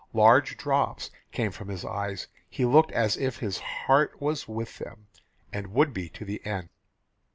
Large drops came from his eyes. He looked as if his heart was with them, and would be to the end."